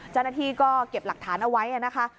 จันที่ก็เก็บหลักฐานเอาไว้นะคะ